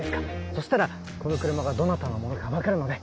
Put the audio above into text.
そしたらこの車がどなたのものか分かるので。